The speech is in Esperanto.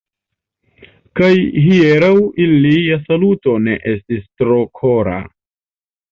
Kaj hieraŭ ilia saluto ne estis tro kora.